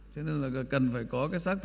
cho nên là cần phải có